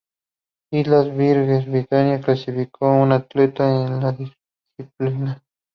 Islas Vírgenes Británicas clasificó a un atleta en esta disciplina.